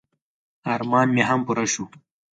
ارمان مې هم پوره شو.